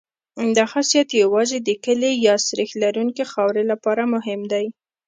دا خاصیت یوازې د کلې یا سریښ لرونکې خاورې لپاره مهم دی